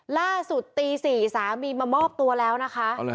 ล่าสุดตี๔สามีมามอบตัวแล้วนะคะ